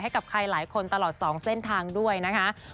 ให้กับใครหลายคนตลอด๒เส้นทางด้วยนะคะ